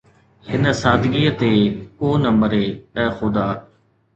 هن سادگيءَ تي ڪو نه مري، اي خدا